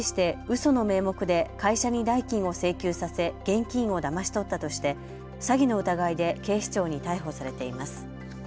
その名目で会社に代金を請求させ現金をだまし取ったとして詐欺の疑いで警視庁に逮捕されています。